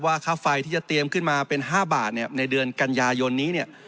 ค่าไฟที่จะเตรียมขึ้นมาเป็น๕บาทในเดือนกันยายนนี้เนี่ย